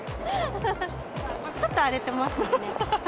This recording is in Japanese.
ちょっと荒れてますよね。